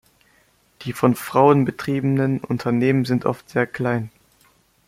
Die von Frauen betriebenen Unternehmen sind oft sehr klein.